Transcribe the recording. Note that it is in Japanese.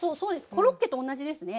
コロッケと同じですね。